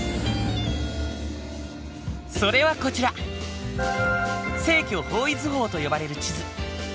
それはこちら正距方位図法と呼ばれる地図。